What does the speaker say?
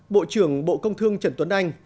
bộ trưởng bộ công thương trần tuấn anh